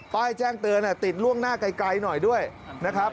แจ้งเตือนติดล่วงหน้าไกลหน่อยด้วยนะครับ